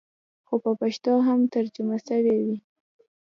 خو په پښتو هم ترجمه سوې وې.